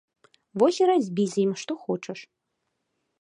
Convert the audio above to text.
Вось і рабі з ім, што хочаш!